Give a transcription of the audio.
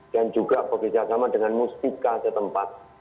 dan juga bekerjasama dengan musbika setempat